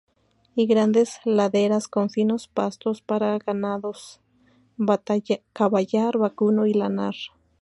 Y grandes laderas con finos pastos para ganados caballar, vacuno y lanar.